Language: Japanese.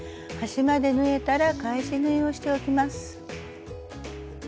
端まで縫えたら返し縫いをしておきます。